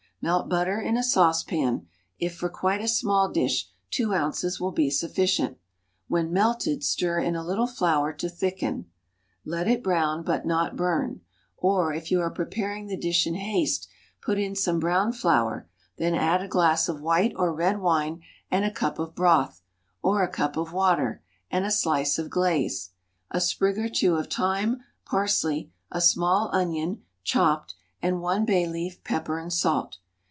Melt butter in a saucepan, if for quite a small dish two ounces will be sufficient; when melted, stir in a little flour to thicken; let it brown, but not burn, or, if you are preparing the dish in haste, put in some brown flour; then add a glass of white or red wine and a cup of broth, or a cup of water and a slice of glaze, a sprig or two of thyme, parsley, a small onion, chopped, and one bay leaf, pepper, and salt.